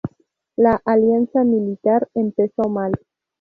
La alianza militar empezó mal.